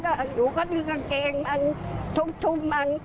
หนูก็ดึงกางเกงมันทุ่มมัน